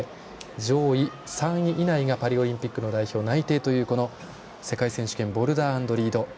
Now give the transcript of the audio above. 上位３位以内がパリオリンピック代表内定というこの世界選手権ボルダー＆リード。